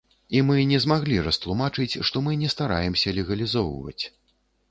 І мы не змаглі растлумачыць, што мы не стараемся легалізоўваць.